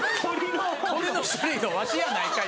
鳥の種類の「鷲やないかい」